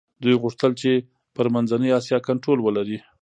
دوی غوښتل چي پر منځنۍ اسیا کنټرول ولري.